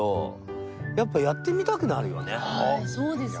そうですよね。